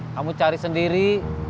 kamu cari sendiri